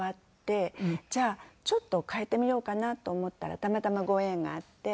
じゃあちょっと変えてみようかなと思ったらたまたまご縁があって。